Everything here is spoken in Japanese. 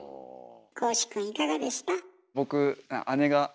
恒司くんいかがでした？